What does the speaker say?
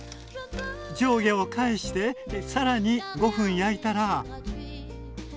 上下を返してさらに５分焼いたら。